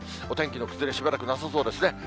お天気の崩れ、しばらくなさそうですね。